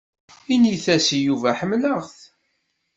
Init-as i Yuba ḥemmleɣ-t.